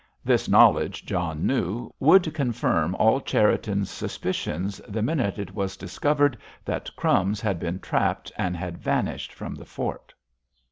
This knowledge, John knew, would confirm all Cherriton's suspicions the minute it was discovered that "Crumbs" had been trapped and had vanished from the fort.